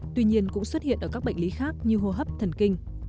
tuy nhiên cũng xuất hiện ở các bệnh lý khác như hô hấp thần kinh